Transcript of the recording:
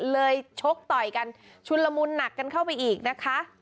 ชกต่อยกันชุนละมุนหนักกันเข้าไปอีกนะคะ